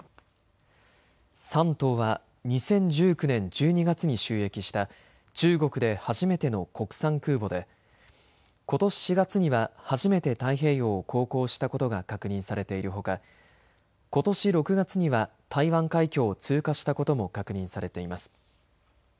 山東は２０１９年１２月に就役した中国で初めての国産空母でことし４月には初めて太平洋を航行したことが確認されているほかことし６月には台湾海峡を通過したことも確認されています。